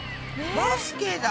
バスケだ！